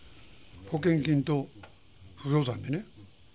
保険金と不動産でね。